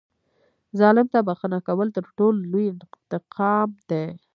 ظالم ته بښنه کول تر ټولو لوی انتقام دی.